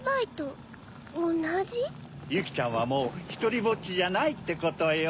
ゆきちゃんはもうひとりぼっちじゃないってことよ。